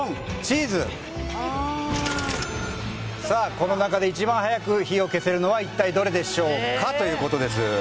さあこの中で一番早く火を消せるのは一体どれでしょうかということです